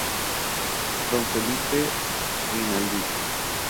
Don Felipe Rinaldi.